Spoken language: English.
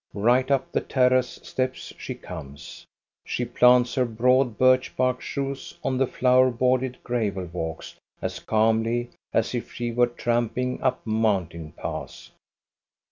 Right up the terrace steps she comes. She plants her broad birch bark shoes on the flower bordered gravel walks as calmly as if she were tramping up mountain paths.